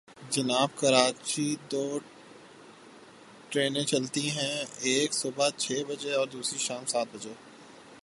جناب، کراچی دو ٹرینیں چلتی ہیں، ایک صبح چھ بجے اور دوسری شام سات بجے۔